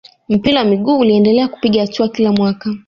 mpira wa miguu uliendelea kupiga hatua kila mwaka